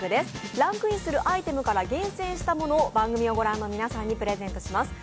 ランクインするアイテムから厳選したものを番組を御覧の皆さんにプレゼントいたします。